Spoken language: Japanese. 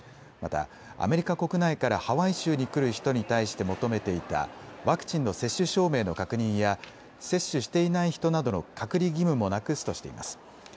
またアメリカ国内からハワイ州に来る人に対して求めていたワクチンの接種証明の確認や接種していない人などの隔離義務もなくすとしています。